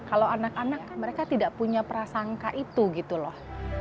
kalau anak anak mereka tidak punya prasangka itu gitu loh